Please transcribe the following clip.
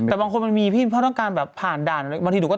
แต่บางคนมันมีพี่เพราะต้องการแบบผ่านด่านบางทีหนูก็